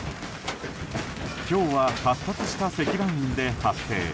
ひょうは発達した積乱雲で発生。